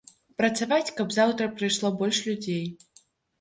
Працаваць, каб заўтра прыйшло больш людзей.